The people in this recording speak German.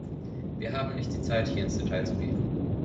Wir haben nicht die Zeit, hier ins Detail zu gehen.